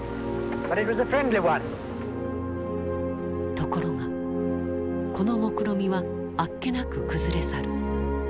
ところがこのもくろみはあっけなく崩れ去る。